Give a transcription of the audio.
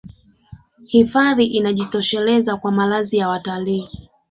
hifadhi inajitosheleza kwa malazi ya watalii